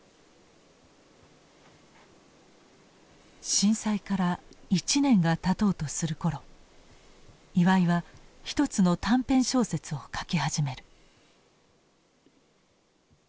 震災から１年がたとうとする頃岩井はひとつの短編小説を書き始める。